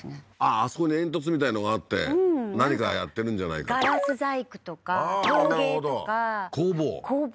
あそこに煙突みたいのがあって何かやってるんじゃないかガラス細工とか陶芸とか工房工房